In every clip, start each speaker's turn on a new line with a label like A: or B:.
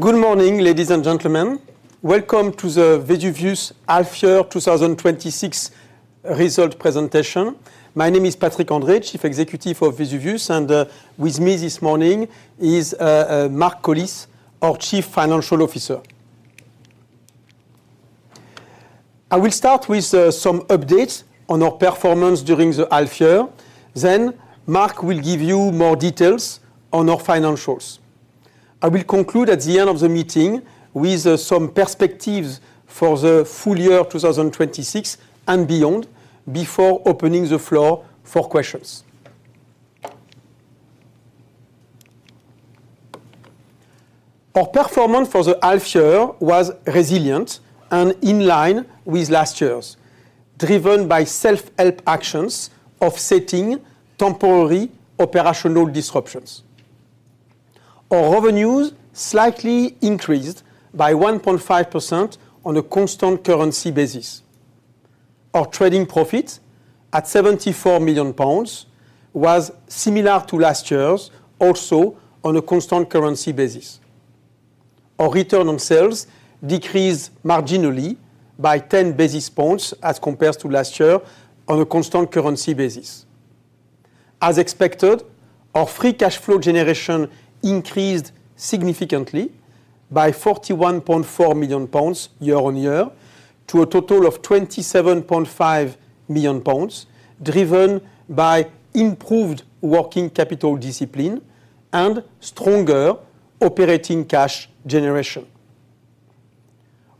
A: Good morning, ladies and gentlemen. Welcome to the Vesuvius half year 2026 result presentation. My name is Patrick André, Chief Executive of Vesuvius, and with me this morning is Mark Collis, our Chief Financial Officer. I will start with some updates on our performance during the half year. Mark will give you more details on our financials. I will conclude at the end of the meeting with some perspectives for the full year 2026 and beyond before opening the floor for questions. Our performance for the half year was resilient and in line with last year's, driven by self-help actions offsetting temporary operational disruptions. Our revenues slightly increased by 1.5% on a constant currency basis. Our trading profit, at 74 million pounds, was similar to last year's, also on a constant currency basis. Our return on sales decreased marginally by 10 basis points as compared to last year on a constant currency basis. As expected, our free cash flow generation increased significantly by 41.4 million pounds year-on-year to a total of 27.5 million pounds, driven by improved working capital discipline and stronger operating cash generation.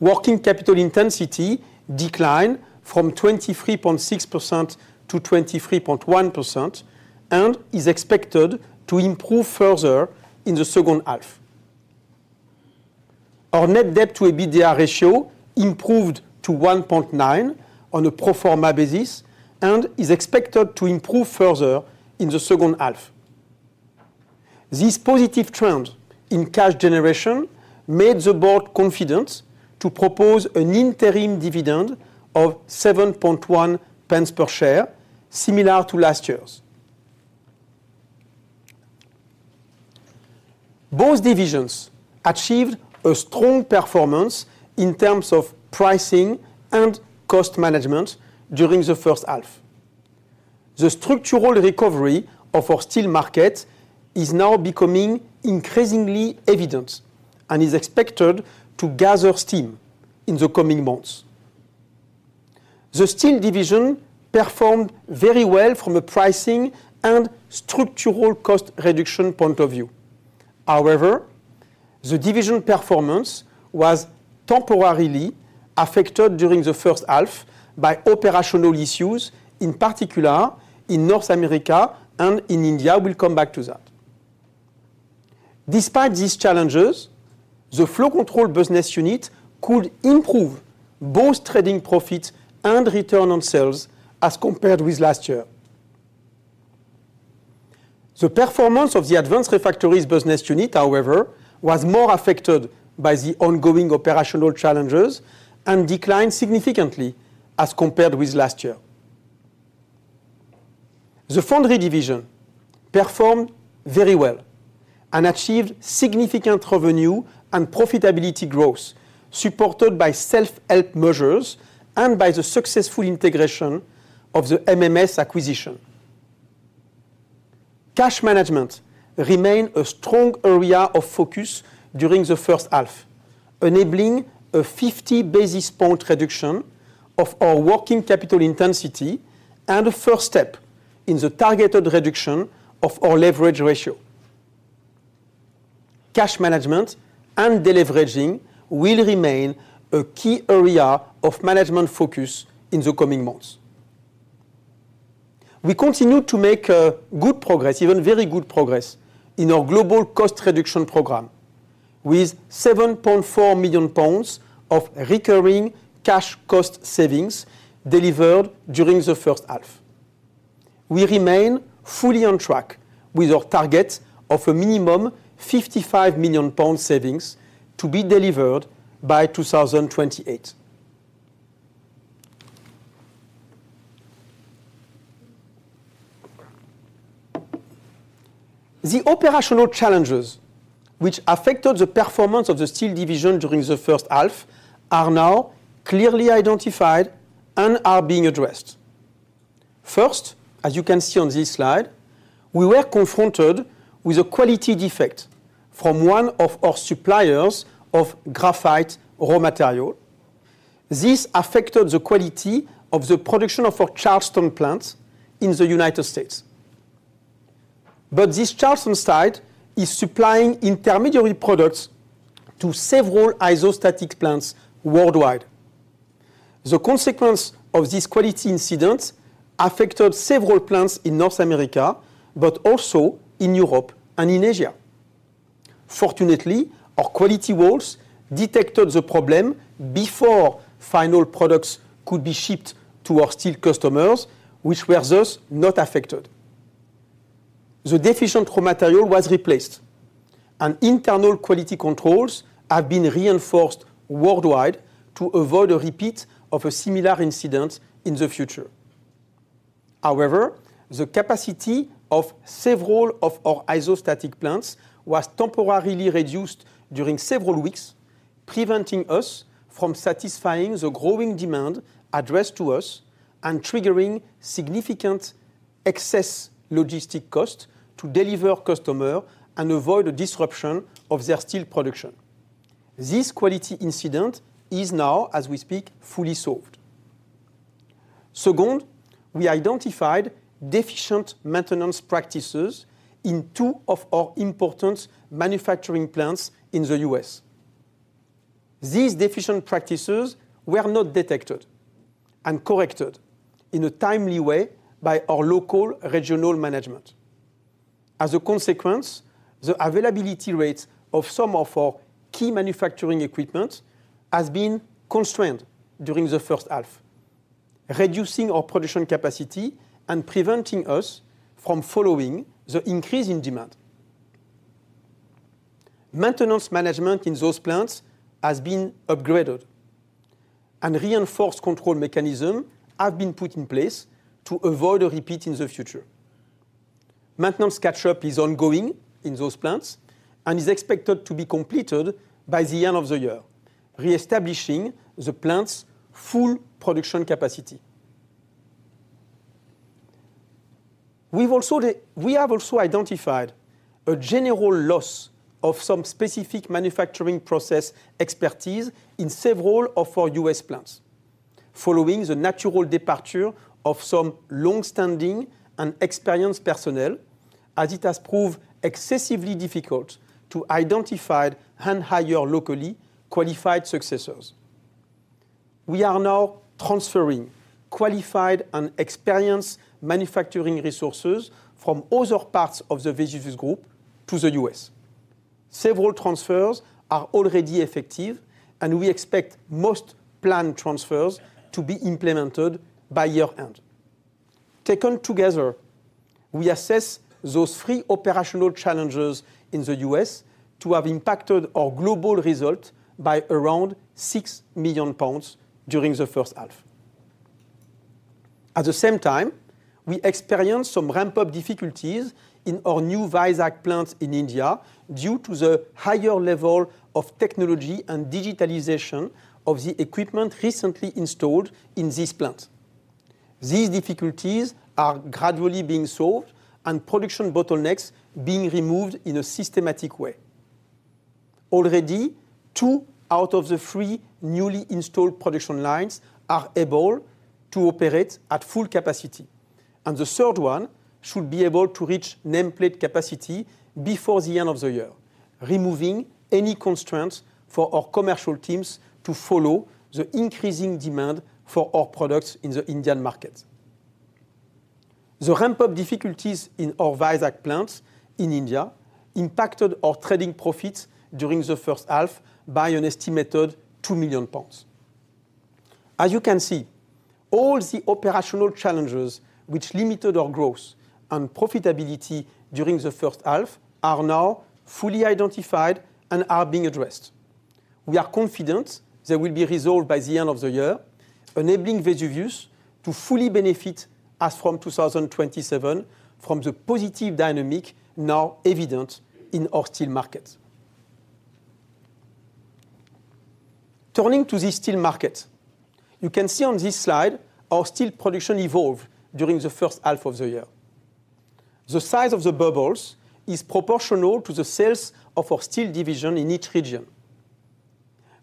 A: Working capital intensity declined from 23.6% to 23.1% and is expected to improve further in the second half. Our net debt to EBITDA ratio improved to 1.9 on a pro forma basis and is expected to improve further in the second half. This positive trend in cash generation made the board confident to propose an interim dividend of 0.071 per share, similar to last year's. Both divisions achieved a strong performance in terms of pricing and cost management during the first half. The structural recovery of our steel market is now becoming increasingly evident and is expected to gather steam in the coming months. The Steel Division performed very well from a pricing and structural cost reduction point of view. However, the division performance was temporarily affected during the first half by operational issues, in particular in North America and in India. We will come back to that. Despite these challenges, the Flow Control business unit could improve both trading profit and return on sales as compared with last year. The performance of the Advanced Refractories business unit, however, was more affected by the ongoing operational challenges and declined significantly as compared with last year. The Foundry Division performed very well and achieved significant revenue and profitability growth, supported by self-help measures and by the successful integration of the MMS acquisition. Cash management remained a strong area of focus during the first half, enabling a 50 basis point reduction of our working capital intensity and a first step in the targeted reduction of our leverage ratio. Cash management and deleveraging will remain a key area of management focus in the coming months. We continue to make good progress, even very good progress, in our global cost reduction program, with 7.4 million pounds of recurring cash cost savings delivered during the first half. We remain fully on track with our target of a minimum 55 million pound savings to be delivered by 2028. The operational challenges which affected the performance of the Steel Division during the first half are now clearly identified and are being addressed. First, as you can see on this slide, we were confronted with a quality defect from one of our suppliers of graphite raw material. This affected the quality of the production of our Charleston plant in the United States. This Charleston site is supplying intermediary products to several isostatic plants worldwide. The consequence of this quality incident affected several plants in North America, but also in Europe and Asia. Fortunately, our quality walls detected the problem before final products could be shipped to our steel customers, which were thus not affected. The deficient raw material was replaced, and internal quality controls have been reinforced worldwide to avoid a repeat of a similar incident in the future. However, the capacity of several of our isostatic plants was temporarily reduced during several weeks, preventing us from satisfying the growing demand addressed to us and triggering significant excess logistic cost to deliver customer and avoid a disruption of their steel production. This quality incident is now, as we speak, fully solved. Second, we identified deficient and experienced personnel, as it has proved excessively difficult to identify and hire locally qualified successors. We are now transferring qualified and experienced manufacturing resources from other parts of the Vesuvius Group to the U.S. Several transfers are already effective, and we expect most planned transfers to be implemented by year-end. Taken together, we assess those three operational challenges in the U.S. to have impacted our global result by around 6 million pounds during the first half. At the same time, we experienced some ramp-up difficulties in our new Vizag plant in India due to the higher level of technology and digitalization of the equipment recently installed in this plant. These difficulties are gradually being solved and production bottlenecks being removed in a systematic way. Already, two out of the three newly installed production lines are able to operate at full capacity, and the third one should be able to reach nameplate capacity before the end of the year, removing any constraints for our commercial teams to follow the increasing demand for our products in the Indian market. The ramp-up difficulties in our Vizag plant in India impacted our trading profits during the first half by an estimated 2 million pounds. As you can see, all the operational challenges which limited our growth and profitability during the first half are now fully identified and are being addressed. We are confident they will be resolved by the end of the year, enabling Vesuvius to fully benefit as from 2027 from the positive dynamic now evident in our steel markets. Turning to the steel market. You can see on this slide our steel production evolved during first half. The size of the bubbles is proportional to the sales of our Steel Division in each region.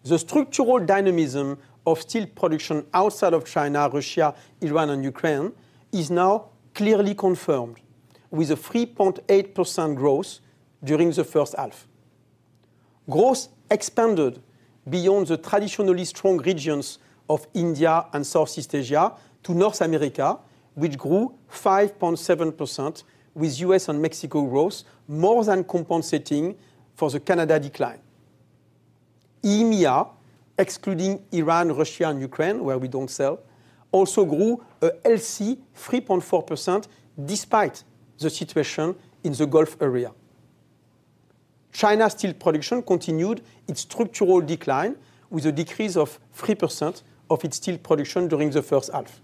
A: The structural dynamism of steel production outside of China, Russia, Iran, and Ukraine is now clearly confirmed, with a 3.8% growth during first half. Growth expanded beyond the traditionally strong regions of India and Southeast Asia to North America, which grew 5.7%, with U.S. and Mexico growth more than compensating for the Canada decline. EIMEA, excluding Iran, Russia, and Ukraine, where we don't sell, also grew a healthy 3.4%, despite the situation in the Gulf area. China steel production continued its structural decline with a decrease of 3% of its steel production during first half.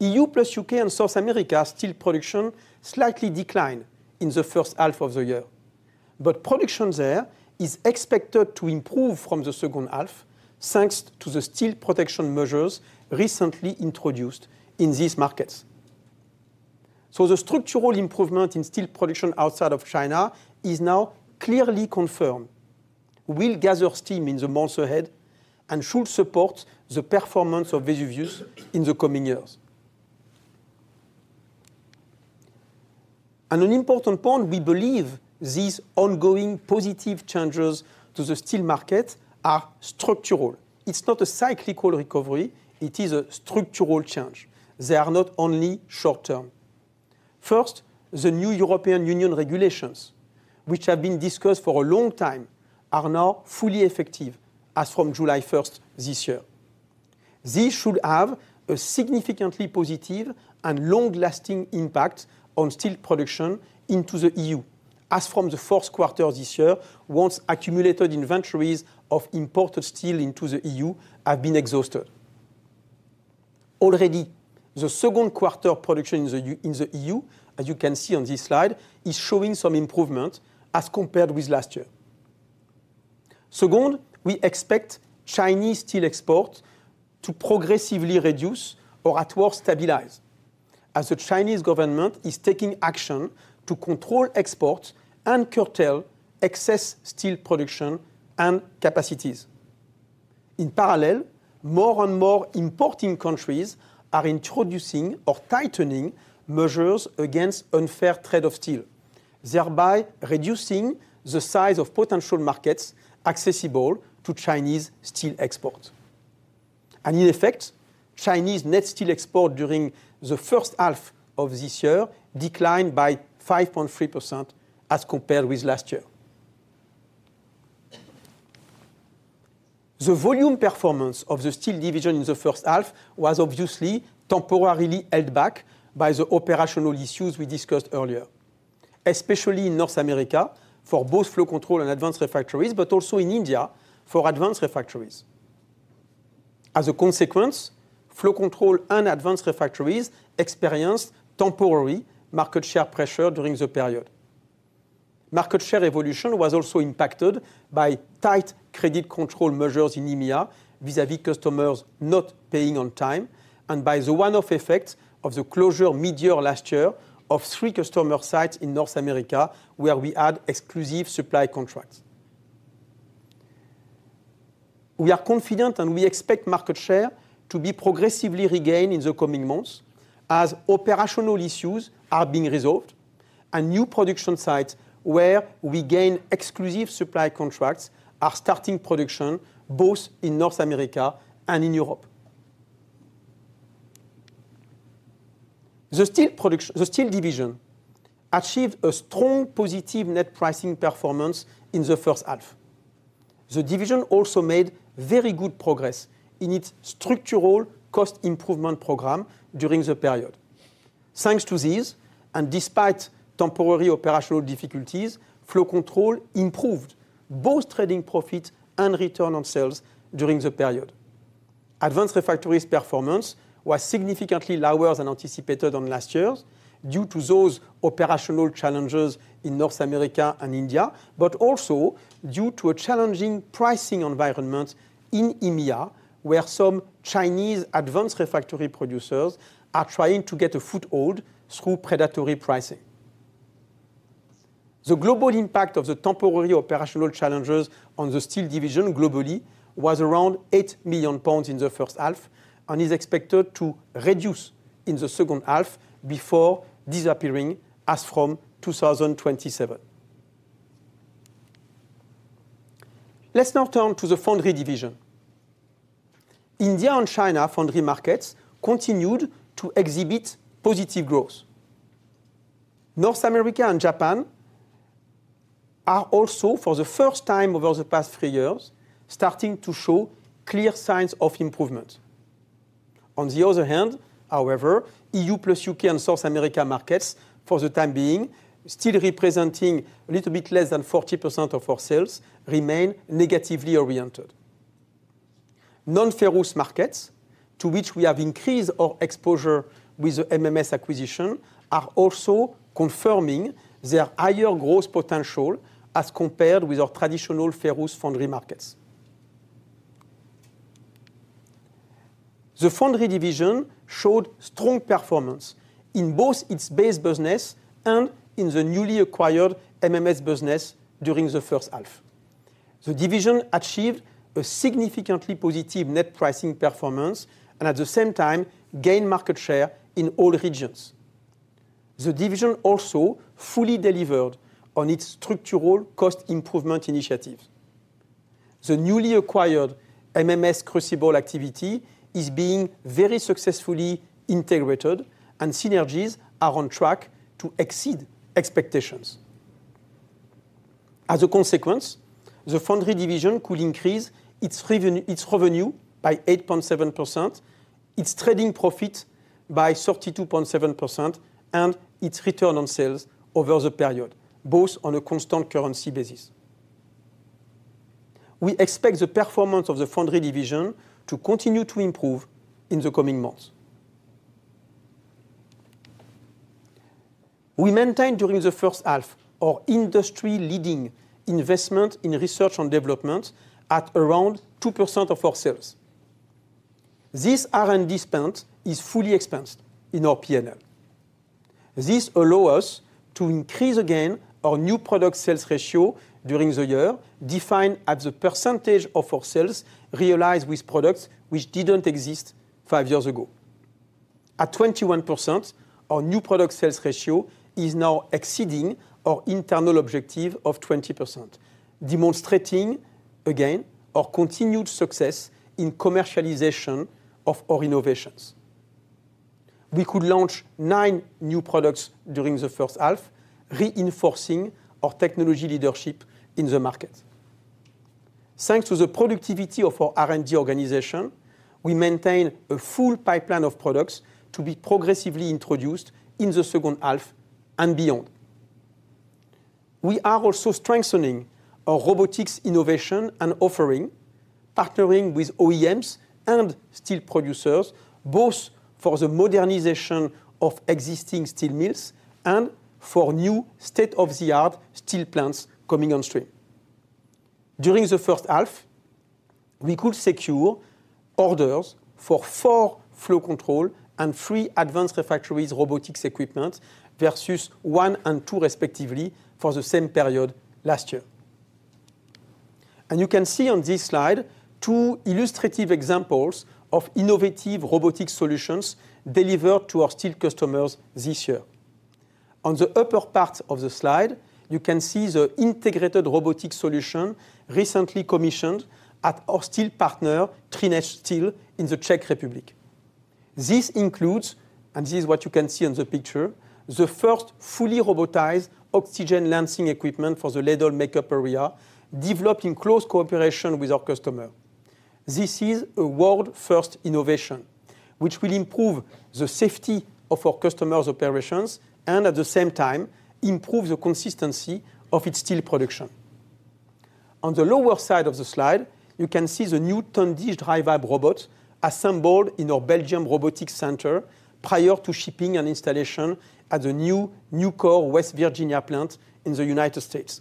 A: EU plus U.K. and South America steel production slightly declined in first half, but production there is expected to improve from second half thanks to the steel protection measures recently introduced in these markets. The structural improvement in steel production outside of China is now clearly confirmed, will gather steam in the months ahead, and should support the performance of Vesuvius in the coming years. An important point, we believe these ongoing positive changes to the steel market are structural. It's not a cyclical recovery. It is a structural change. They are not only short-term. First, the new European Union regulations, which have been discussed for a long time, are now fully effective as from July 1st this year. This should have a significantly positive and long-lasting impact on steel production into the EU. As from fourth quarter this year, once accumulated inventories of imported steel into the EU have been exhausted. Already, the second quarter production in the EU, as you can see on this slide, is showing some improvement as compared with last year. Second, we expect Chinese steel export to progressively reduce or at worst stabilize, as the Chinese government is taking action to control export and curtail excess steel production and capacities. In parallel, more and more importing countries are introducing or tightening measures against unfair trade of steel, thereby reducing the size of potential markets accessible to Chinese steel export. In effect, Chinese net steel export during first half declined by 5.3% as compared with last year. The volume performance of the Steel Division in first half was obviously temporarily held back by the operational issues we discussed earlier, especially in North America, for both Flow Control and Advanced Refractories, but also in India for Advanced Refractories. As a consequence, Flow Control and Advanced Refractories experienced temporary market share pressure during the period. Market share evolution was also impacted by tight credit control measures in EIMEA vis-à-vis customers not paying on time, and by the one-off effect of the closure mid-year last year of three customer sites in North America where we had exclusive supply contracts. We are confident and we expect market share to be progressively regained in the coming months as operational issues are being resolved and new production sites where we gain exclusive supply contracts are starting production both in North America and in Europe. The Steel Division achieved a strong positive net pricing performance in the first half. The Division also made very good progress in its structural cost improvement program during the period. Thanks to this, and despite temporary operational difficulties, Flow Control improved both trading profit and return on sales during the period. Advanced Refractories performance was significantly lower than anticipated on last year's due to those operational challenges in North America and India, but also due to a challenging pricing environment in EMEA where some Chinese advanced refractory producers are trying to get a foothold through predatory pricing. The global impact of the temporary operational challenges on the Steel Division globally was around 8 million pounds in the first half and is expected to reduce in the second half before disappearing as from 2027. Let's now turn to the Foundry Division. India and China foundry markets continued to exhibit positive growth. North America and Japan are also, for the first time over the past three years, starting to show clear signs of improvement. On the other hand, however, EU plus U.K. and South America markets, for the time being, still representing a little bit less than 40% of our sales, remain negatively oriented. Non-ferrous markets to which we have increased our exposure with the MMS acquisition are also confirming their higher growth potential as compared with our traditional ferrous foundry markets. The Foundry Division showed strong performance in both its base business and in the newly acquired MMS business during the first half. The Division achieved a significantly positive net pricing performance and at the same time, gained market share in all regions. The Division also fully delivered on its structural cost improvement initiative. The newly acquired MMS crucible activity is being very successfully integrated and synergies are on track to exceed expectations. As a consequence, the Foundry Division could increase its revenue by 8.7%, its trading profit by 32.7%, and its return on sales over the period, both on a constant currency basis. We expect the performance of the Foundry Division to continue to improve in the coming months. We maintained during the first half our industry-leading investment in research and development at around 2% of our sales. This R&D spend is fully expensed in our P&L. This allow us to increase again our new product sales ratio during the year, defined as a percentage of our sales realized with products which didn't exist five years ago. At 21%, our new product sales ratio is now exceeding our internal objective of 20%, demonstrating again our continued success in commercialization of our innovations. We could launch nine new products during the first half, reinforcing our technology leadership in the market. Thanks to the productivity of our R&D organization, we maintain a full pipeline of products to be progressively introduced in the second half and beyond. We are also strengthening our robotics innovation and offering, partnering with OEMs and steel producers, both for the modernization of existing steel mills and for new state-of-the-art steel plants coming on stream. During the first half, we could secure orders for four Flow Control and three Advanced Refractories robotics equipment versus one and two respectively for the same period last year. You can see on this slide two illustrative examples of innovative robotic solutions delivered to our steel customers this year. On the upper part of the slide, you can see the integrated robotic solution recently commissioned at our steel partner, Třinecké steel, in the Czech Republic. This includes, and this is what you can see in the picture, the first fully robotized oxygen lancing equipment for the ladle makeup area, developed in close cooperation with our customer. This is a world-first innovation, which will improve the safety of our customer's operations and at the same time improve the consistency of its steel production. On the lower side of the slide, you can see the new Tundish Dry-Vibratable Robot assembled in our Belgium robotic center prior to shipping and installation at the new Nucor West Virginia plant in the United States.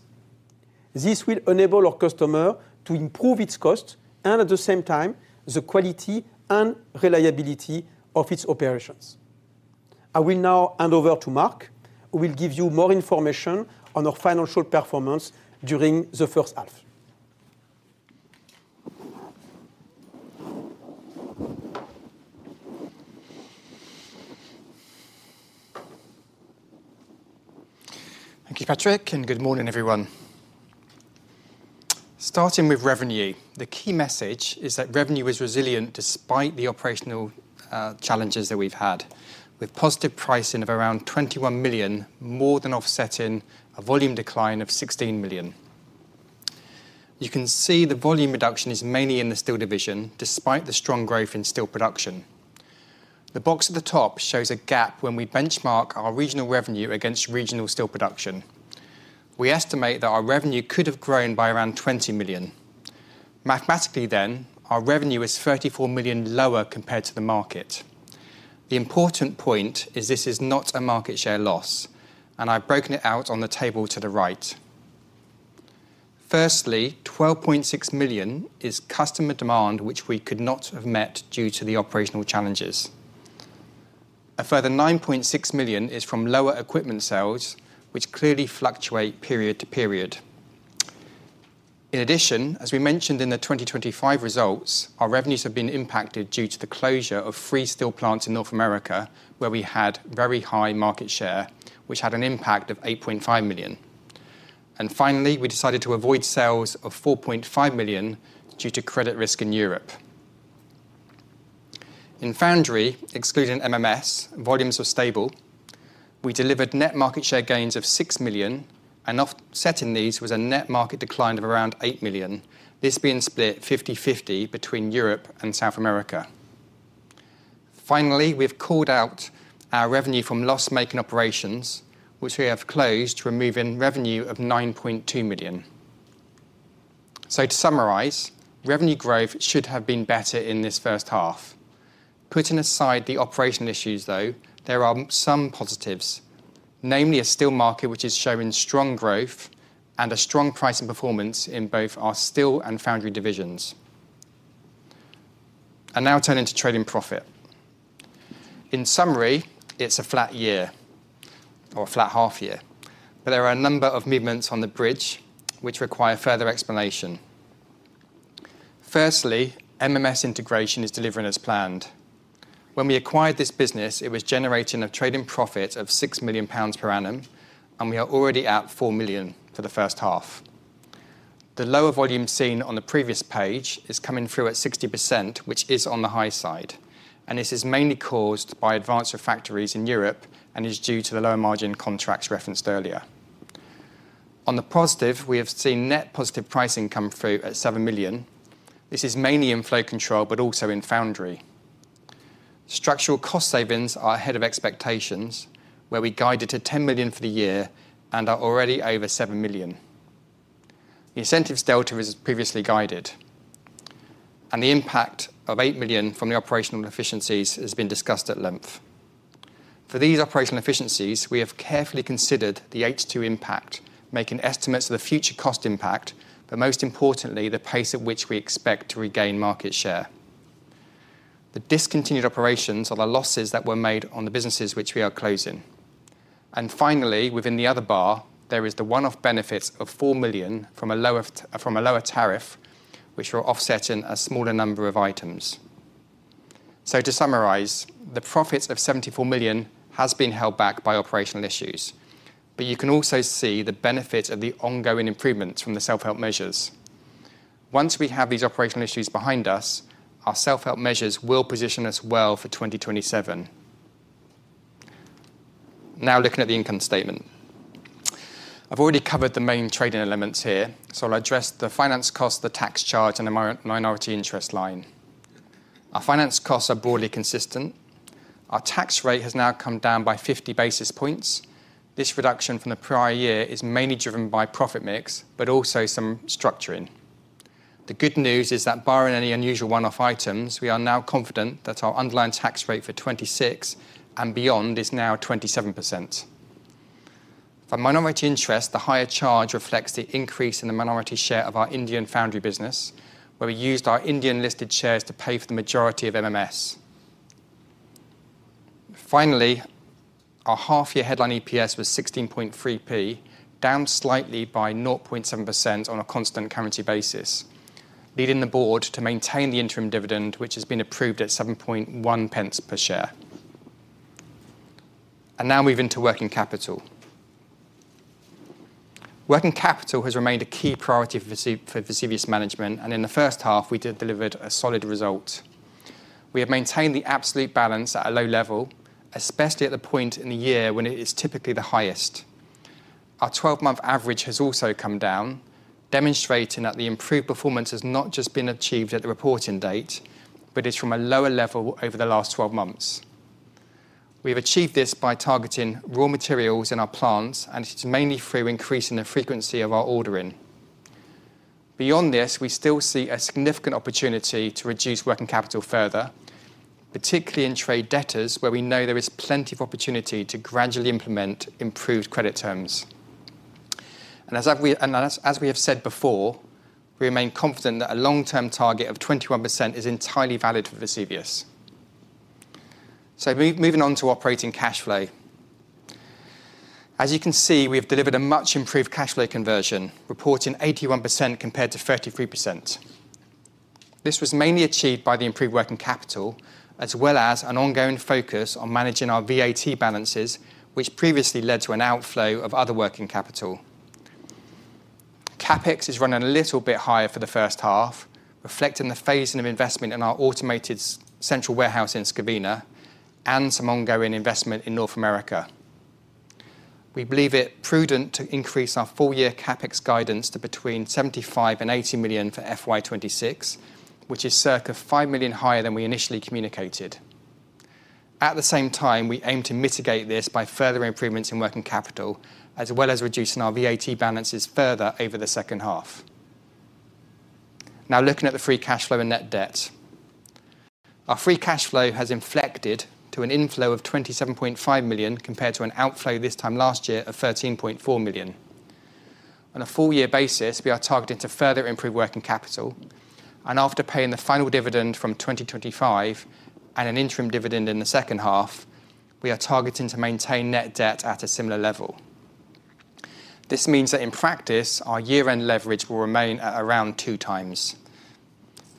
A: This will enable our customer to improve its cost and at the same time the quality and reliability of its operations. I will now hand over to Mark, who will give you more information on our financial performance during the first half.
B: Thank you, Patrick, and good morning, everyone. Starting with revenue, the key message is that revenue is resilient despite the operational challenges that we've had. With positive pricing of around 21 million more than offsetting a volume decline of 16 million. You can see the volume reduction is mainly in the Steel Division, despite the strong growth in steel production. The box at the top shows a gap when we benchmark our regional revenue against regional steel production. We estimate that our revenue could have grown by around 20 million. Mathematically then, our revenue is 34 million lower compared to the market. The important point is this is not a market share loss, and I've broken it out on the table to the right. Firstly, 12.6 million is customer demand, which we could not have met due to the operational challenges. A further 9.6 million is from lower equipment sales, which clearly fluctuate period to period. In addition, as we mentioned in the 2025 results, our revenues have been impacted due to the closure of three steel plants in North America, where we had very high market share, which had an impact of 8.5 million. And finally, we decided to avoid sales of 4.5 million due to credit risk in Europe. In Foundry, excluding MMS, volumes were stable. We delivered net market share gains of 6 million, and offsetting these was a net market decline of around 8 million. This being split 50/50 between Europe and South America. Finally, we've called out our revenue from loss-making operations, which we have closed, removing revenue of 9.2 million. To summarize, revenue growth should have been better in this first half. Putting aside the operational issues, though, there are some positives. Namely, a steel market which is showing strong growth and a strong pricing performance in both our Steel and Foundry Divisions. I now turn into trading profit. In summary, it's a flat year or a flat half year. But there are a number of movements on the bridge which require further explanation. Firstly, MMS integration is delivering as planned. When we acquired this business, it was generating a trading profit of 6 million pounds per annum, and we are already at 4 million for the first half. The lower volume seen on the previous page is coming through at 60%, which is on the high side, and this is mainly caused by Advanced Refractories in Europe and is due to the lower margin contracts referenced earlier. On the positive, we have seen net positive pricing come through at 7 million. This is mainly in Flow Control, but also in Foundry. Structural cost savings are ahead of expectations, where we guided to 10 million for the year and are already over 7 million. The incentives delta is as previously guided, and the impact of 8 million from the operational efficiencies has been discussed at length. For these operational efficiencies, we have carefully considered the H2 impact, making estimates of the future cost impact, but most importantly, the pace at which we expect to regain market share. The discontinued operations are the losses that were made on the businesses which we are closing. And finally, within the other bar, there is the one-off benefit of 4 million from a lower tariff, which we're offsetting a smaller number of items. To summarize, the profits of 74 million has been held back by operational issues. But you can also see the benefit of the ongoing improvements from the self-help measures. Once we have these operational issues behind us, our self-help measures will position us well for 2027. Now looking at the income statement. I've already covered the main trading elements here, so I'll address the finance cost, the tax charge, and the minority interest line. Our finance costs are broadly consistent. Our tax rate has now come down by 50 basis points. This reduction from the prior year is mainly driven by profit mix, but also some structuring. The good news is that barring any unusual one-off items, we are now confident that our underlying tax rate for 2026 and beyond is now 27%. For minority interest, the higher charge reflects the increase in the minority share of our Indian foundry business, where we used our Indian-listed shares to pay for the majority of MMS. Finally, our half-year headline EPS was 0.163, down slightly by 0.7% on a constant currency basis, leading the board to maintain the interim dividend, which has been approved at 0.071 per share. I now move into working capital. Working capital has remained a key priority for Vesuvius management, and in the first half, we did delivered a solid result. We have maintained the absolute balance at a low level, especially at the point in the year when it is typically the highest. Our 12-month average has also come down, demonstrating that the improved performance has not just been achieved at the reporting date, but is from a lower level over the last 12 months. We have achieved this by targeting raw materials in our plants, and it's mainly through increasing the frequency of our ordering. Beyond this, we still see a significant opportunity to reduce working capital further, particularly in trade debtors, where we know there is plenty of opportunity to gradually implement improved credit terms. And as we have said before, we remain confident that a long-term target of 21% is entirely valid for Vesuvius. So moving on to operating cash flow. As you can see, we have delivered a much improved cash flow conversion, reporting 81% compared to 33%. This was mainly achieved by the improved working capital, as well as an ongoing focus on managing our VAT balances, which previously led to an outflow of other working capital. CapEx has run a little bit higher for the first half, reflecting the phasing of investment in our automated central warehouse in Skawina and some ongoing investment in North America. We believe it prudent to increase our full-year CapEx guidance to between 75 million and 80 million for FY 2026, which is circa 5 million higher than we initially communicated. At the same time, we aim to mitigate this by further improvements in working capital, as well as reducing our VAT balances further over the second half. Looking at the free cash flow and net debt. Our free cash flow has inflected to an inflow of 27.5 million compared to an outflow this time last year of 13.24 million. On a full year basis, we are targeting to further improve working capital, and after paying the final dividend from 2025 and an interim dividend in the second half, we are targeting to maintain net debt at a similar level. This means that in practice, our year-end leverage will remain at around two times.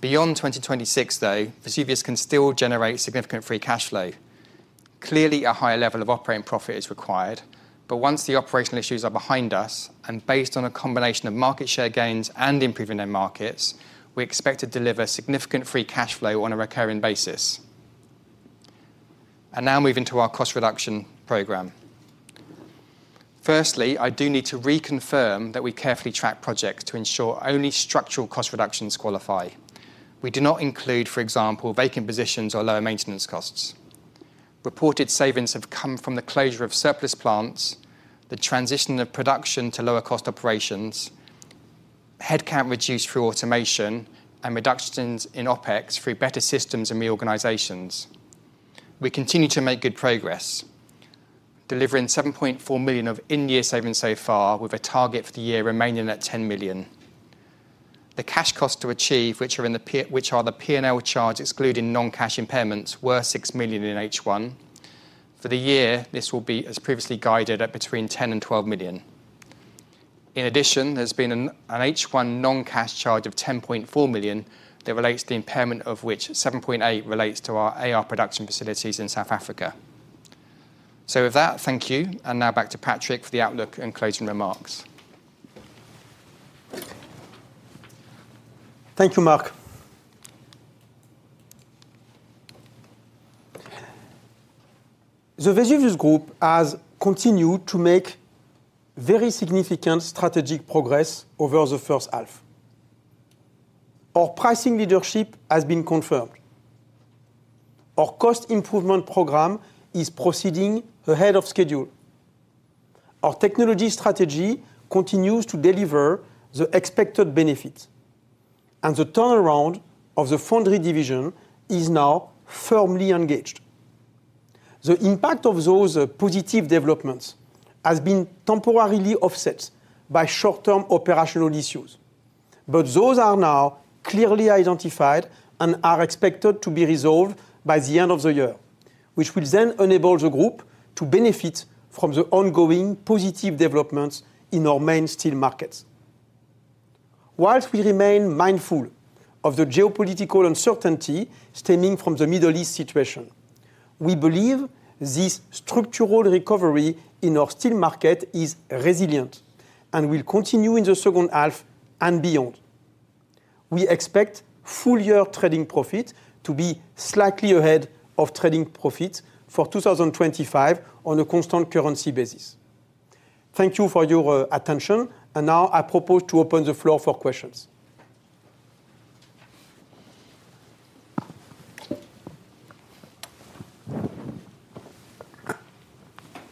B: Beyond 2026, though, Vesuvius can still generate significant free cash flow. Clearly, a higher level of operating profit is required, but once the operational issues are behind us, and based on a combination of market share gains and improving end markets, we expect to deliver significant free cash flow on a recurring basis. I now move into our cost reduction program. Firstly, I do need to reconfirm that we carefully track projects to ensure only structural cost reductions qualify. We do not include, for example, vacant positions or low maintenance costs. Reported savings have come from the closure of surplus plants, the transition of production to lower cost operations, headcount reduced through automation, and reductions in OpEx through better systems and reorganizations. We continue to make good progress, delivering 7.4 million of in-year savings so far, with a target for the year remaining at 10 million. The cash costs to achieve, which are the P&L charge excluding non-cash impairments, were 6 million in H1. For the year, this will be, as previously guided, at between 10 million and 12 million. In addition, there has been an H1 non-cash charge of 10.4 million that relates to the impairment of which 7.8 million relates to our AR production facilities in South Africa. With that, thank you, and now back to Patrick for the outlook and closing remarks.
A: Thank you, Mark. The Vesuvius Group has continued to make very significant strategic progress over the first half. Our pricing leadership has been confirmed. Our cost improvement program is proceeding ahead of schedule. Our technology strategy continues to deliver the expected benefits, and the turnaround of the Foundry Division is now firmly engaged. The impact of those positive developments has been temporarily offset by short-term operational issues, but those are now clearly identified and are expected to be resolved by the end of the year, which will then enable the group to benefit from the ongoing positive developments in our main steel markets. Whilst we remain mindful of the geopolitical uncertainty stemming from the Middle East situation, we believe this structural recovery in our steel market is resilient and will continue in the second half and beyond. We expect full-year trading profit to be slightly ahead of trading profit for 2025 on a constant currency basis. Thank you for your attention, now I propose to open the floor for questions.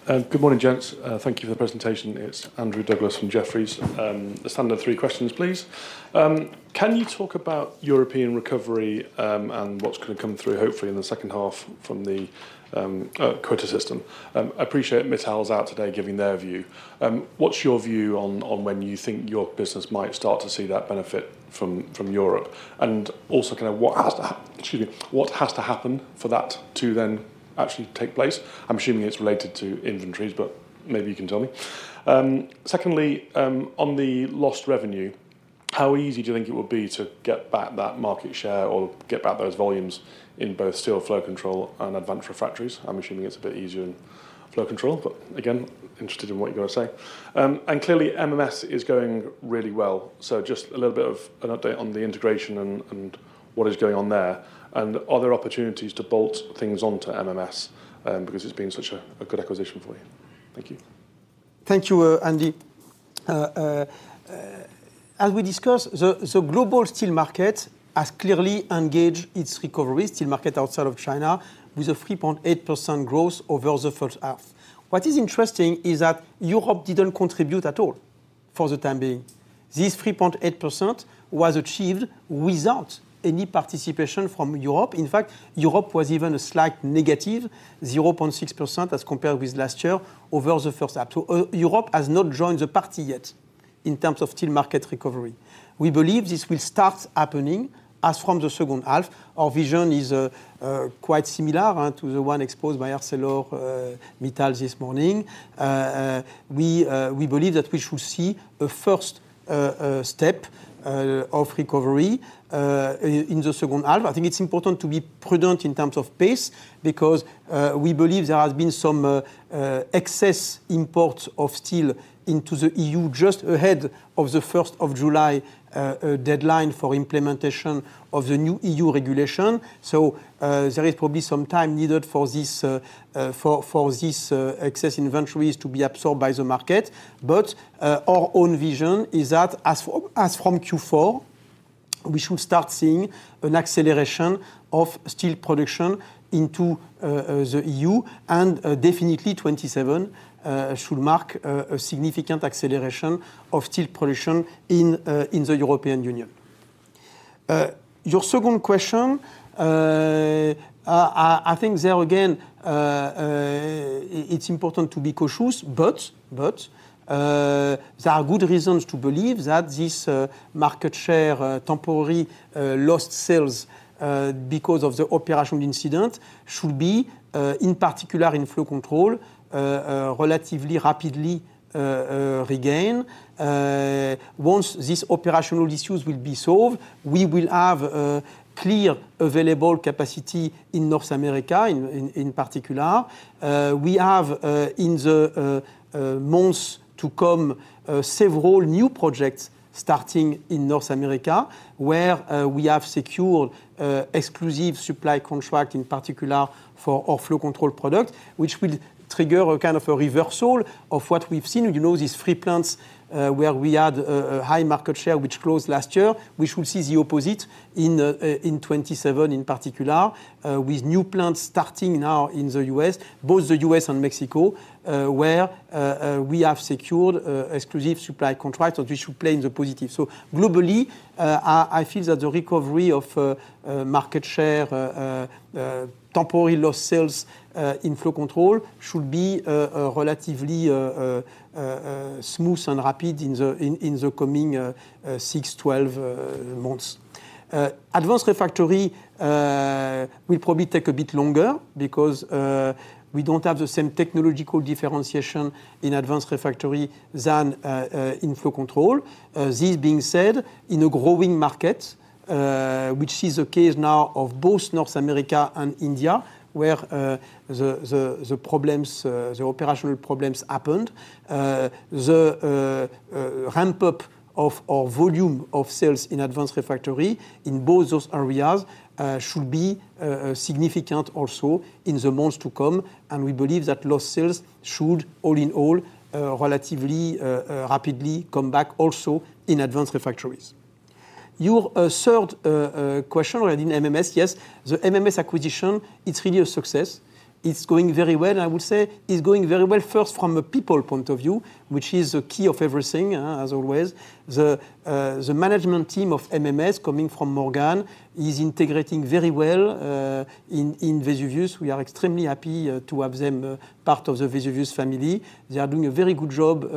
C: Good morning, gents. Thank you for the presentation. It's Andrew Douglas from Jefferies. A standard three questions, please. Can you talk about European recovery and what's going to come through, hopefully, in the second half from the quota system? I appreciate Mittal is out today giving their view. What's your view on when you think your business might start to see that benefit from Europe? Also, what has to happen for that to then actually take place? I'm assuming it's related to inventories, but maybe you can tell me. Secondly, on the lost revenue, how easy do you think it will be to get back that market share or get back those volumes in both steel Flow Control and Advanced Refractories? I'm assuming it's a bit easier in Flow Control, but again, interested in what you want to say. Clearly, MMS is going really well, so just a little bit of an update on the integration and what is going on there. Are there opportunities to bolt things onto MMS because it's been such a good acquisition for you? Thank you.
A: Thank you, Andy. As we discussed, the global steel market has clearly engaged its recovery, steel market outside of China, with a 3.8% growth over the first half. What is interesting is that Europe didn't contribute at all for the time being. This 3.8% was achieved without any participation from Europe. In fact, Europe was even a slight -0.6% as compared with last year over the first half. Europe has not joined the party yet in terms of steel market recovery. We believe this will start happening as from the second half. Our vision is quite similar to the one exposed by ArcelorMittal this morning. We believe that we should see a first step of recovery in the second half. I think it's important to be prudent in terms of pace because we believe there has been some excess imports of steel into the EU just ahead of the 1st of July deadline for implementation of the new EU regulation. There is probably some time needed for these excess inventories to be absorbed by the market. Our own vision is that as from Q4, we should start seeing an acceleration of steel production into the EU, and definitely 2027 should mark a significant acceleration of steel production in the European Union. Your second question. I think there, again, it's important to be cautious, but there are good reasons to believe that this market share temporary lost sales because of the operational incident should be, in particular in Flow Control, relatively rapidly regained. Once these operational issues will be solved, we will have clear available capacity in North America, in particular. We have, in the months to come, several new projects starting in North America, where we have secured exclusive supply contract, in particular for our Flow Control product, which will trigger a kind of a reversal of what we've seen. You know these three plants where we had a high market share which closed last year. We should see the opposite in 2027, in particular, with new plants starting now in the U.S., both the U.S. and Mexico, where we have secured exclusive supply contracts, which should play in the positive. Globally, I feel that the recovery of market share temporary lost sales in Flow Control should be relatively smooth and rapid in the coming six, 12 months. Advanced Refractories will probably take a bit longer because we don't have the same technological differentiation in Advanced Refractories than in Flow Control. This being said, in a growing market, which is the case now of both North America and India, where the operational problems happened. The ramp-up of our volume of sales in Advanced Refractories in both those areas should be significant also in the months to come, and we believe that lost sales should, all in all, relatively rapidly come back also in Advanced Refractories. Your third question regarding MMS. Yes, the MMS acquisition, it's really a success. It's going very well, and I would say it's going very well first from a people point of view, which is the key of everything, as always. The management team of MMS coming from Morgan is integrating very well in Vesuvius. We are extremely happy to have them part of the Vesuvius family. They are doing a very good job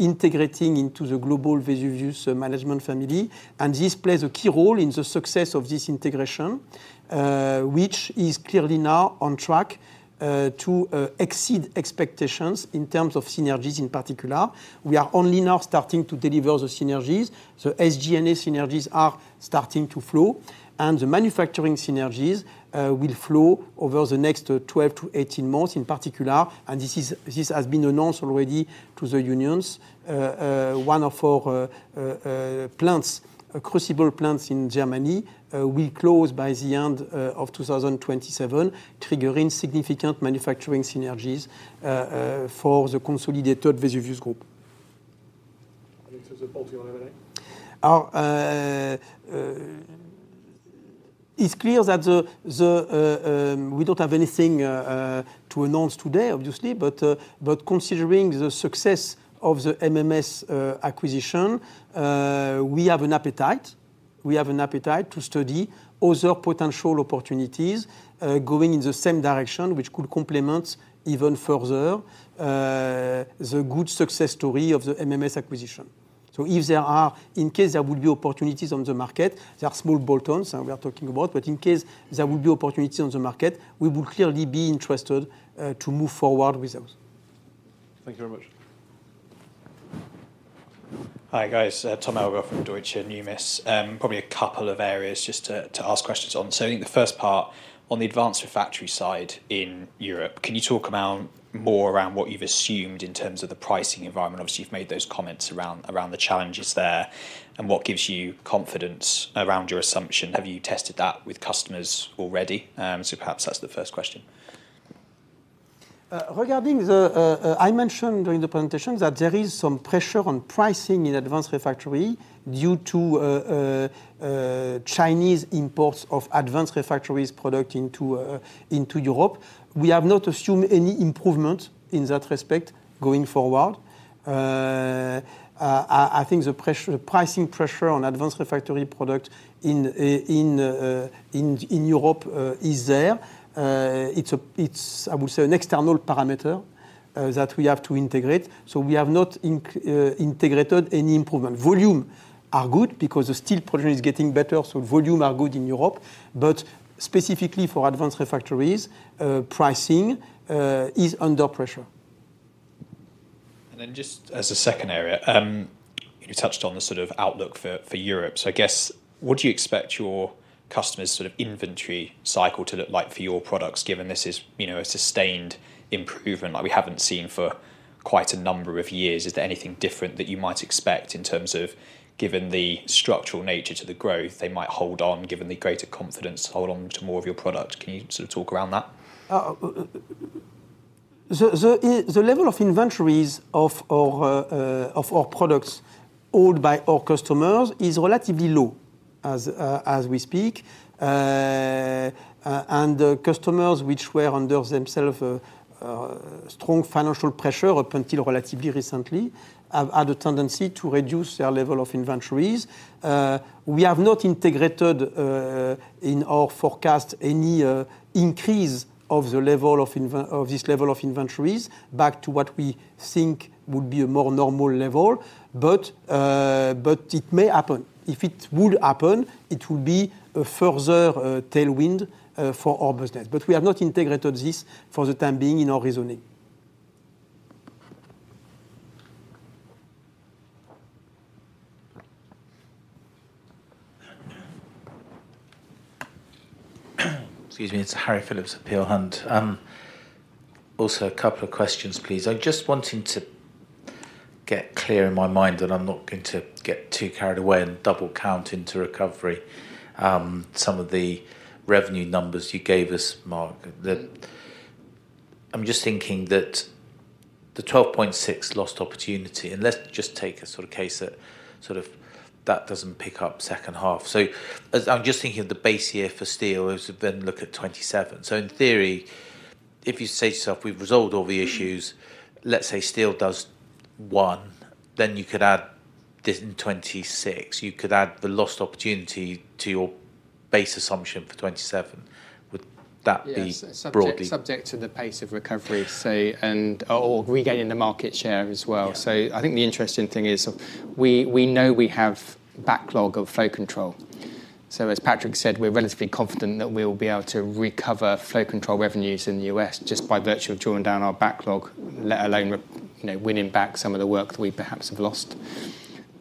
A: integrating into the global Vesuvius management family, and this plays a key role in the success of this integration, which is clearly now on track to exceed expectations in terms of synergies in particular. We are only now starting to deliver the synergies. SG&A synergies are starting to flow, and the manufacturing synergies will flow over the next 12-18 months in particular, and this has been announced already to the unions. One of our plants, crucible plants in Germany, will close by the end of 2027, triggering significant manufacturing synergies for the consolidated Vesuvius Group.
C: In terms of bolt-on M&A?
A: It's clear that we don't have anything to announce today, obviously. Considering the success of the MMS acquisition, we have an appetite to study other potential opportunities going in the same direction, which could complement even further the good success story of the MMS acquisition. In case there will be opportunities on the market, there are small bolt-ons that we are talking about, but in case there will be opportunities on the market, we will clearly be interested to move forward with those.
C: Thank you very much.
D: Hi, guys. Tom Elgar from Deutsche Numis. Probably a couple of areas just to ask questions on. I think the first part on the Advanced Refractories side in Europe, can you talk more around what you've assumed in terms of the pricing environment? Obviously, you've made those comments around the challenges there, and what gives you confidence around your assumption? Have you tested that with customers already? Perhaps that's the first question.
A: I mentioned during the presentation that there is some pressure on pricing in Advanced Refractories due to Chinese imports of Advanced Refractories product into Europe. We have not assumed any improvement in that respect going forward. I think the pricing pressure on Advanced Refractories product in Europe is there. It's, I would say, an external parameter that we have to integrate. We have not integrated any improvement. Volume are good because the steel production is getting better, so volume are good in Europe. Specifically for Advanced Refractories, pricing is under pressure.
D: Just as a second area, you touched on the sort of outlook for Europe. I guess, what do you expect your customers' sort of inventory cycle to look like for your products, given this is a sustained improvement like we haven't seen for quite a number of years? Is there anything different that you might expect in terms of, given the structural nature to the growth, they might hold on, given the greater confidence, hold on to more of your product? Can you sort of talk around that?
A: The level of inventories of our products owed by our customers is relatively low as we speak. The customers which were under themselves strong financial pressure up until relatively recently, have had a tendency to reduce their level of inventories. We have not integrated in our forecast any increase of this level of inventories back to what we think would be a more normal level. It may happen. If it would happen, it will be a further tailwind for our business. We have not integrated this for the time being in our reasoning.
E: Excuse me. It's Harry Philips at Peel Hunt. A couple of questions, please. I'm just wanting to get clear in my mind, and I'm not going to get too carried away and double count into recovery some of the revenue numbers you gave us, Mark. I'm just thinking that the 12.6 lost opportunity, and let's just take a sort of case that sort of that doesn't pick up second half. I'm just thinking of the base year for steel is then look at 2027. In theory, if you say to yourself we've resolved all the issues, let's say steel does one, then you could add this in 2026. You could add the lost opportunity to your base assumption for 2027. Would that be broadly-
B: Yes. Subject to the pace of recovery, say, and/or regaining the market share as well.
E: Yeah.
B: I think the interesting thing is we know we have backlog of Flow Control. As Patrick said, we are relatively confident that we will be able to recover Flow Control revenues in the U.S. just by virtue of drawing down our backlog, let alone winning back some of the work that we perhaps have lost.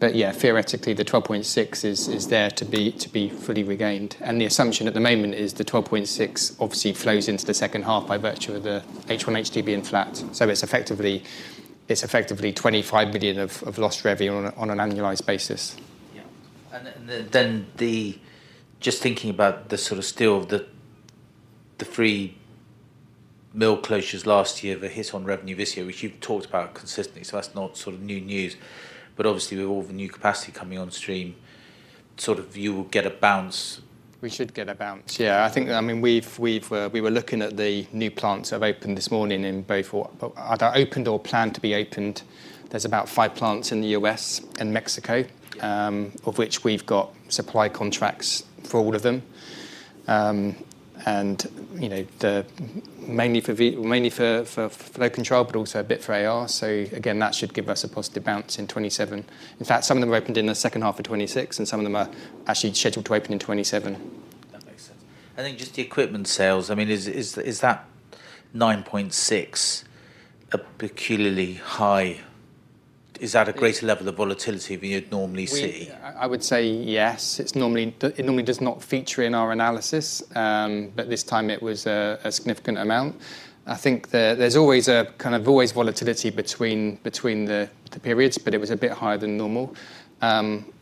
B: Yeah, theoretically, the 12.6 is there to be fully regained. The assumption at the moment is the 12.6 obviously flows into the second half by virtue of the H1, H2 being flat. It is effectively 25 million of lost revenue on an annualized basis.
E: Yeah. Then just thinking about the sort of steel, the three mill closures last year, the hit on revenue this year, which you have talked about consistently, so that is not sort of new news. Obviously with all the new capacity coming on stream, sort of you will get a bounce.
B: We should get a bounce. Yeah. I think, we were looking at the new plants that have opened this morning in both opened or planned to be opened. There is about five plants in the U.S. and Mexico, of which we have got supply contracts for all of them. Mainly for Flow Control, but also a bit for AR, so again, that should give us a positive bounce in 2027. In fact, some of them opened in the second half of 2026, and some of them are actually scheduled to open in 2027.
E: That makes sense. I think just the equipment sales, is that 9.6 a peculiarly high? Is that a greater level of volatility than you'd normally see?
B: I would say yes. It normally does not feature in our analysis. This time it was a significant amount. I think there's always volatility between the periods, but it was a bit higher than normal.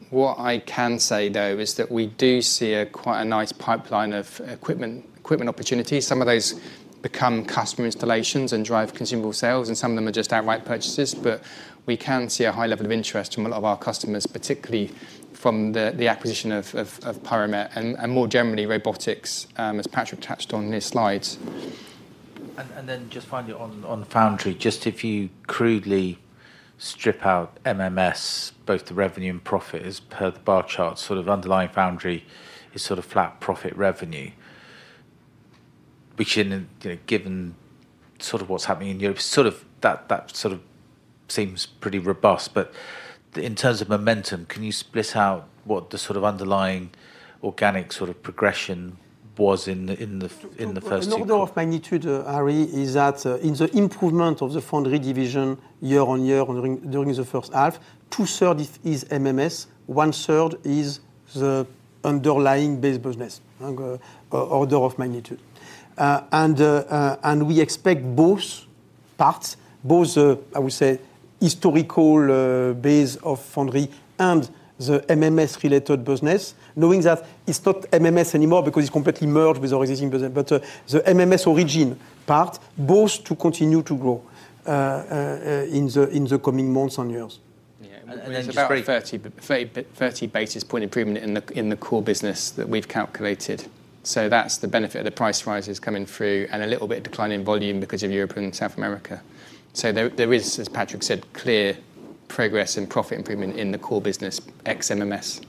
B: What I can say, though, is that we do see quite a nice pipeline of equipment opportunities. Some of those become customer installations and drive consumable sales, and some of them are just outright purchases. We can see a high level of interest from a lot of our customers, particularly from the acquisition of PiroMET and more generally, robotics, as Patrick touched on in his slides.
E: Then just finally on Foundry, just if you crudely strip out MMS, both the revenue and profit as per the bar chart, underlying Foundry is sort of flat profit revenue, which given what's happening in Europe, that seems pretty robust. In terms of momentum, can you split out what the underlying organic progression was in the first two-
A: The order of magnitude, Harry, is that in the improvement of the Foundry Division year-on-year during the first half, two-thirds is MMS, one-third is the underlying base business order of magnitude. We expect both parts, both, I would say, historical base of Foundry and the MMS related business, knowing that it's not MMS anymore because it's completely merged with our existing business. The MMS origin part, both to continue to grow in the coming months and years.
B: Yeah. About 30 basis points improvement in the core business that we've calculated. That's the benefit of the price rises coming through and a little bit decline in volume because of Europe and South America. There is, as Patrick said, clear progress and profit improvement in the core business ex-MMS.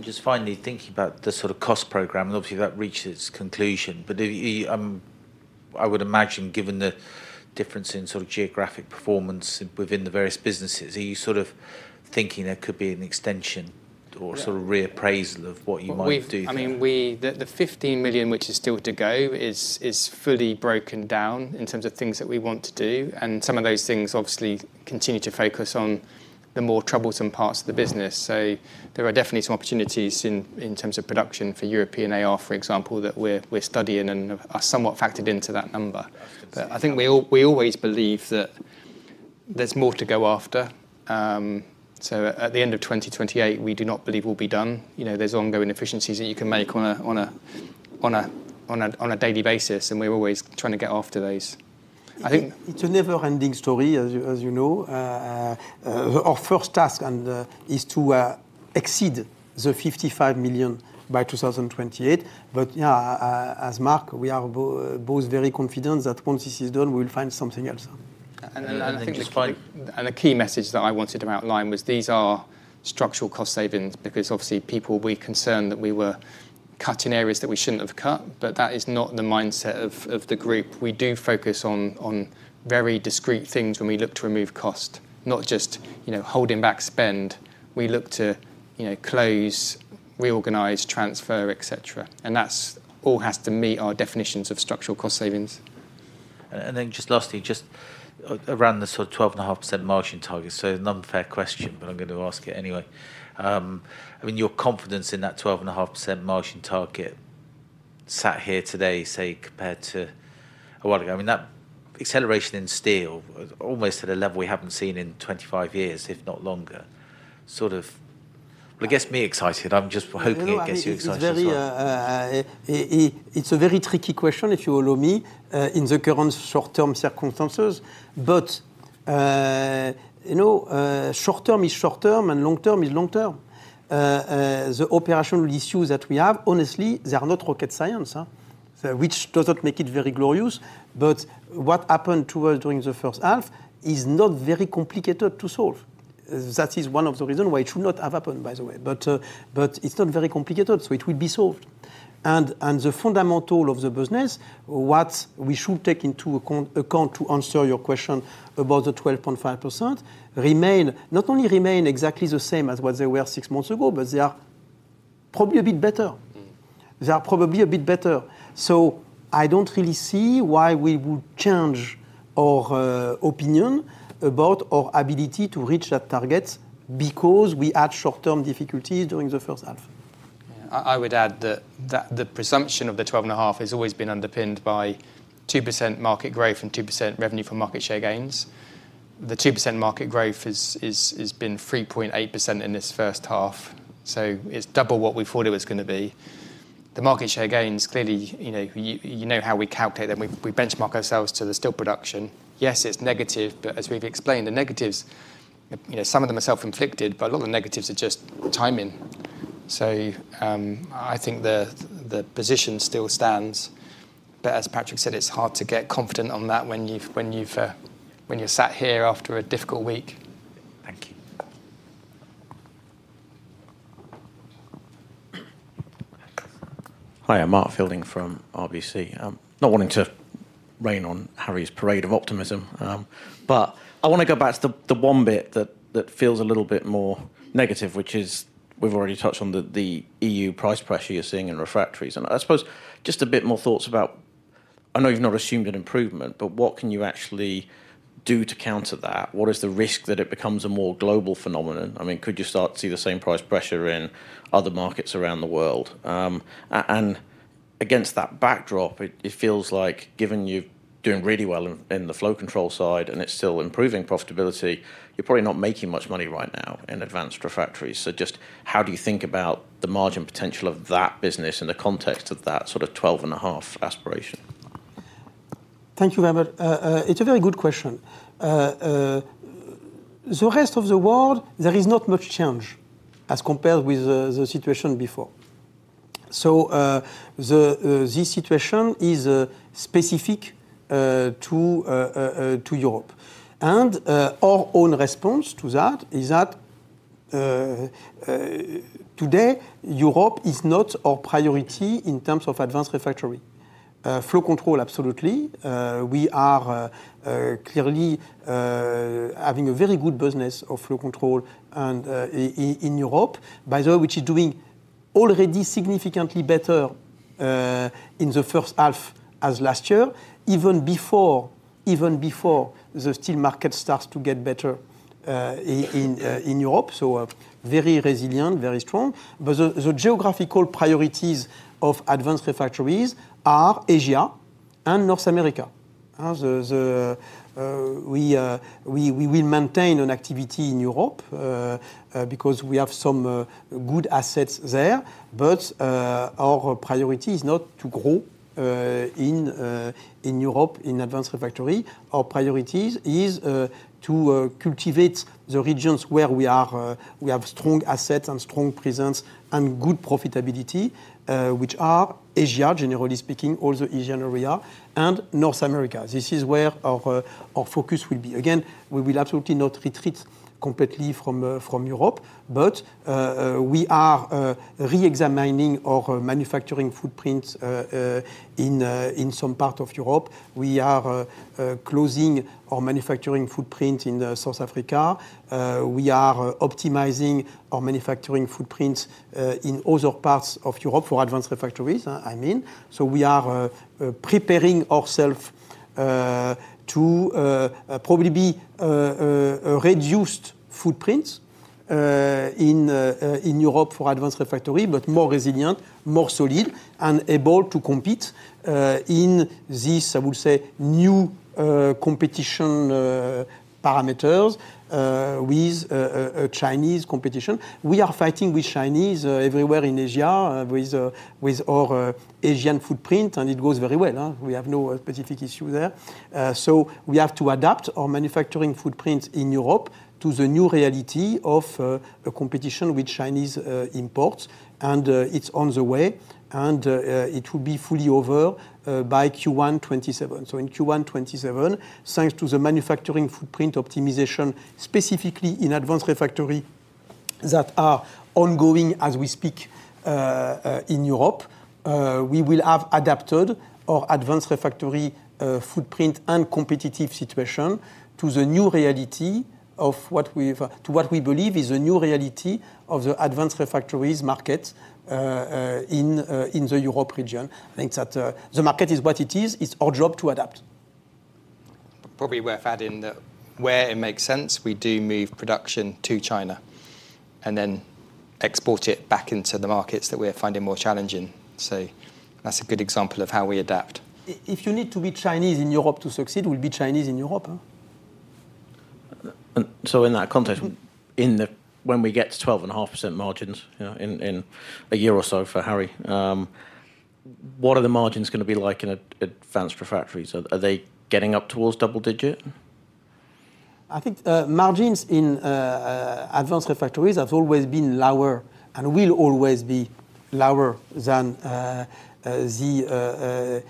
E: Just finally, thinking about the sort of cost program, and obviously that reached its conclusion. I would imagine given the difference in geographic performance within the various businesses, are you thinking there could be an extension or reappraisal of what you might do?
B: The 15 million which is still to go is fully broken down in terms of things that we want to do. Some of those things obviously continue to focus on the more troublesome parts of the business. There are definitely some opportunities in terms of production for European AR, for example, that we're studying and are somewhat factored into that number. I think we always believe that there's more to go after. At the end of 2028, we do not believe we'll be done. There's ongoing efficiencies that you can make on a daily basis, we're always trying to get after those.
A: It's a never-ending story, as you know. Our first task is to exceed the 55 million by 2028. Yeah, as Mark, we are both very confident that once this is done, we will find something else.
B: The key message that I wanted to outline was these are structural cost savings because obviously people were concerned that we were cut in areas that we shouldn't have cut, but that is not the mindset of the group. We do focus on very discrete things when we look to remove cost, not just holding back spend. We look to close, reorganize, transfer, et cetera. That all has to meet our definitions of structural cost savings.
E: Just lastly, just around the sort of 12.5% margin target. An unfair question, I'm going to ask it anyway. Your confidence in that 12.5% margin target sat here today, say, compared to a while ago. That acceleration in steel, almost at a level we haven't seen in 25 years, if not longer. Well, it gets me excited. I'm just hoping it gets you excited as well.
A: It's a very tricky question, if you allow me, in the current short-term circumstances. Short-term is short-term and long-term is long-term. The operational issues that we have, honestly, they are not rocket science, which does not make it very glorious. What happened to us during the first half is not very complicated to solve. That is one of the reasons why it should not have happened, by the way. It's not very complicated, so it will be solved. The fundamental of the business, what we should take into account to answer your question about the 12.5%, not only remain exactly the same as what they were six months ago, but they are probably a bit better. They are probably a bit better. I don't really see why we would change our opinion about our ability to reach that target because we had short-term difficulties during the first half.
B: I would add that the presumption of the 12.5% has always been underpinned by 2% market growth and 2% revenue from market share gains. The 2% market growth has been 3.8% in this first half, it's double what we thought it was going to be. The market share gains, clearly, you know how we calculate them. We benchmark ourselves to the steel production. Yes, it's negative, but as we've explained, the negatives, some of them are self-inflicted, but a lot of the negatives are just timing. I think the position still stands. As Patrick said, it's hard to get confident on that when you're sat here after a difficult week.
E: Thank you.
F: Hi, I'm Mark Fielding from RBC. Not wanting to rain on Harry's parade of optimism. I want to go back to the one bit that feels a little bit more negative, which is we've already touched on the EU price pressure you're seeing in refractories. I suppose just a bit more thoughts about, I know you've not assumed an improvement, but what can you actually do to counter that? What is the risk that it becomes a more global phenomenon? Could you start to see the same price pressure in other markets around the world? Against that backdrop, it feels like given you're doing really well in the Flow Control side and it's still improving profitability, you're probably not making much money right now in Advanced Refractories. Just how do you think about the margin potential of that business in the context of that 12.5 aspiration?
A: Thank you, Mark. It's a very good question. The rest of the world, there is not much change as compared with the situation before. This situation is specific to Europe. Our own response to that is that today Europe is not our priority in terms of Advanced Refractory. Flow Control, absolutely. We are clearly having a very good business of Flow Control in Europe, by the way, which is doing already significantly better in the first half as last year, even before the steel market starts to get better in Europe. Very resilient, very strong. The geographical priorities of Advanced Refractories are Asia and North America. We will maintain an activity in Europe because we have some good assets there. Our priority is not to grow in Europe in Advanced Refractory. Our priority is to cultivate the regions where we have strong assets and strong presence and good profitability, which are Asia, generally speaking, all the Asian area, and North America. This is where our focus will be. Again, we will absolutely not retreat completely from Europe, but we are reexamining our manufacturing footprint in some parts of Europe. We are closing our manufacturing footprint in South Africa. We are optimizing our manufacturing footprints in other parts of Europe for Advanced Refractories, I mean. We are preparing ourselves to probably be a reduced footprint in Europe for Advanced Refractory, but more resilient, more solid, and able to compete in this, I would say, new competition parameters with Chinese competition. We are fighting with Chinese everywhere in Asia, with our Asian footprint, and it goes very well. We have no specific issue there. We have to adapt our manufacturing footprint in Europe to the new reality of the competition with Chinese imports, and it's on the way, and it will be fully over by Q1 2027. In Q1 2027, thanks to the manufacturing footprint optimization, specifically in Advanced Refractory, that are ongoing as we speak in Europe, we will have adapted our Advanced Refractory footprint and competitive situation to what we believe is the new reality of the Advanced Refractories market in the Europe region. I think that the market is what it is. It's our job to adapt.
B: Probably worth adding that where it makes sense, we do move production to China and then export it back into the markets that we're finding more challenging. That's a good example of how we adapt.
A: If you need to be Chinese in Europe to succeed, we'll be Chinese in Europe, huh?
F: In that context, when we get to 12.5% margins in a year or so for Harry, what are the margins going to be like in Advanced Refractories? Are they getting up towards double digit?
A: I think margins in Advanced Refractories have always been lower and will always be lower than the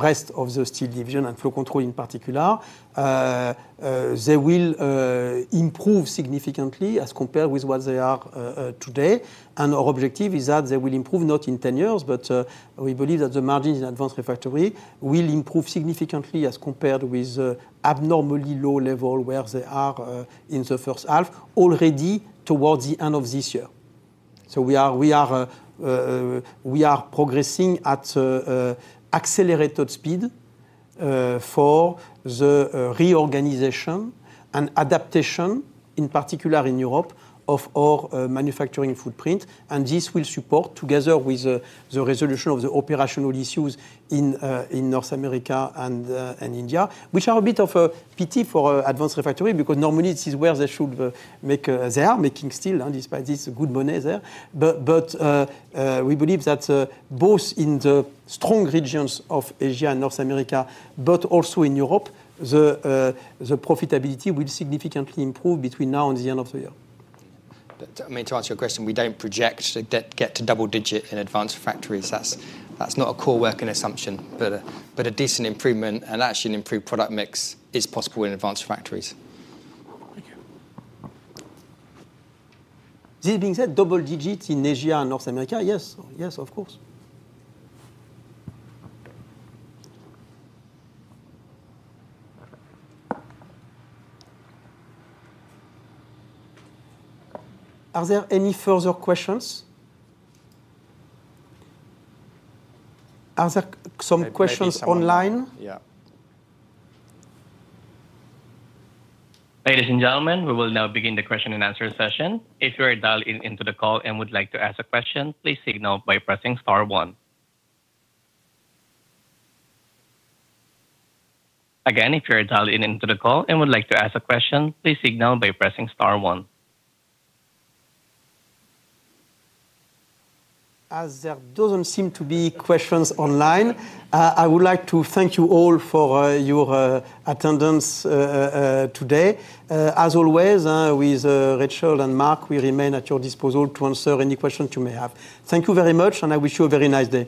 A: rest of the Steel Division and Flow Control in particular. They will improve significantly as compared with what they are today. Our objective is that they will improve not in 10 years, but we believe that the margins in Advanced Refractory will improve significantly as compared with abnormally low level, where they are in the first half, already towards the end of this year. We are progressing at accelerated speed for the reorganization and adaptation, in particular in Europe, of our manufacturing footprint, and this will support together with the resolution of the operational issues in North America and India. Which are a bit of a pity for Advanced Refractory because normally this is where they are making still, despite this, good money there. We believe that both in the strong regions of Asia and North America, also in Europe, the profitability will significantly improve between now and the end of the year.
B: I mean, to answer your question, we don't project get to double digit in Advanced Refractories. That's not a core working assumption. A decent improvement and actually an improved product mix is possible in Advanced Refractories.
F: Thank you.
A: This being said, double digits in Asia and North America? Yes, of course. Are there any further questions? Are there some questions online?
B: Yeah.
G: Ladies and gentlemen, we will now begin the question-and-answer session. If you are dialed into the call and would like to ask a question, please signal by pressing star one. Again, if you are dialed into the call and would like to ask a question, please signal by pressing star one.
A: As there doesn't seem to be questions online, I would like to thank you all for your attendance today. As always, with Rachel and Mark, we remain at your disposal to answer any questions you may have. Thank you very much. I wish you a very nice day.